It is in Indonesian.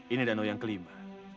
ini danau yang kelima